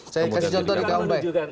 saya kasih contoh di kampung